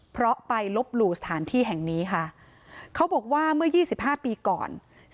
เพราะไปลบหลู่สถานที่แห่งนี้ค่ะเขาบอกว่าเมื่อ๒๕ปีก่อน